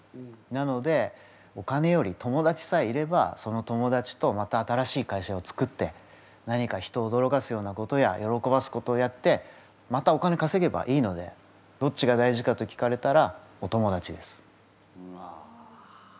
なのでお金より友だちさえいればその友だちとまた新しい会社を作って何か人を驚かすようなことや喜ばすことをやってまたお金かせげばいいのでどっちが大事かと聞かれたらお友だちです。